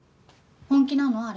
本気なの？